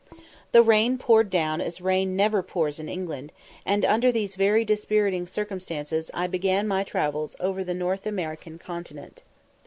The rain poured down as rain never pours in England; and under these very dispiriting circumstances I began my travels over the North American continent.